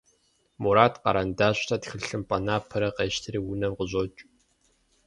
Мурат къэрэндащрэ тхылъымпӀэ напэрэ къещтэри унэм къыщӀокӀ.